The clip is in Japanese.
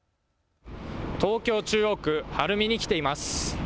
東京中央区晴海に来ています。